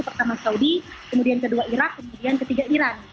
pertama saudi kemudian kedua irak kemudian ketiga iran